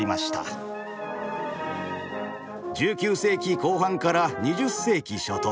１９世紀後半から２０世紀初頭